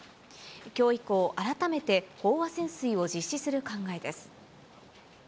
きょう以降、改めて飽和潜水を実施する考えです。